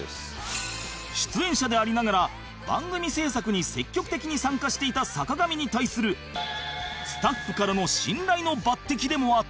出演者でありながら番組制作に積極的に参加していた坂上に対するスタッフからの信頼の抜擢でもあった